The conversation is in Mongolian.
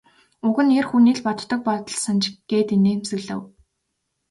Уг нь эр хүний л боддог бодол санж гээд инээмсэглэв.